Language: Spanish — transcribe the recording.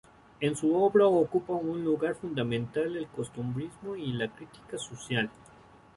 En su obra ocupa un lugar fundamental el costumbrismo y la crítica social.